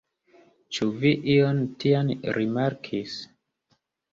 Ĉu vi ion tian rimarkis?